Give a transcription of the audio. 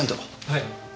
はい。